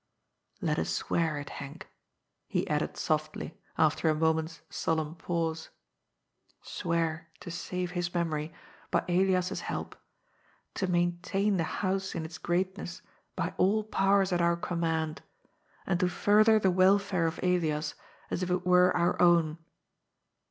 ^' Let us swear it, Henk," he added softly, after a mo ment's solemn pause. ^ Swear to save his memory by Elias's help, to maintain the house in its greatness by all powers at our command, and to further the welfare of Elias as if it were our own.